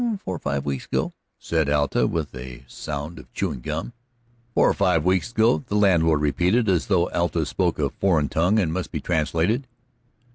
"Four or five weeks ago," said Alta, with the sound of chewing gum. "Four or five weeks ago," the landlord repeated, as though Alta spoke a foreign tongue and must be translated.